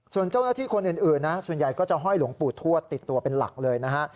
ส่วนเจ้าหน้าที่คนอื่นนะส่วนใหญ่ก็จะห้อยหลวงปู่ทวดติดตัวเป็นหลักเลยนะฮะ